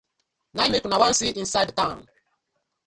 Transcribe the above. Na im mek una wan see inside town.